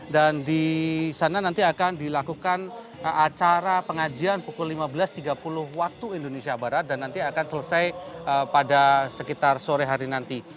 dan di sana nanti akan dilakukan acara pengajian pukul lima belas tiga puluh waktu indonesia barat dan nanti akan selesai pada sekitar sore hari nanti